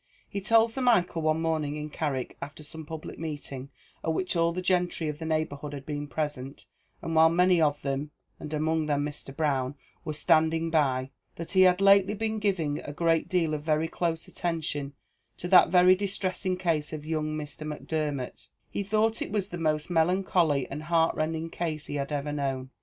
He told Sir Michael one morning in Carrick, after some public meeting at which all the gentry of the neighbourhood had been present, and while many of them, and among them Mr. Brown, were standing by, that "he had lately been giving a great deal of very close attention to that very distressing case of young Mr. Macdermot; he thought it was the most melancholy and heartrending case he had ever known.